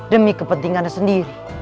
demi kepentingannya sendiri